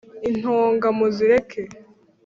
Intonga muzireke.